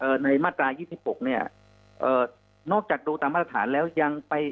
ในมาตรายี่สิบหกเนี้ยเอ่อนอกจากดูตามมาตรฐานแล้วยังไป